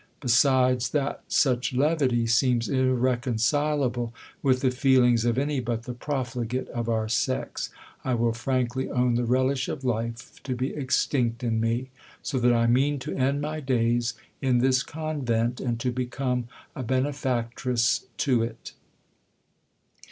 Besides that such levity seems irreconcileable with the feelings of any but the profligate of our sex, I will frankly own the relish of life to be extinct in me ; so that I mean to end my days in this convent, and to become a benefactress to it.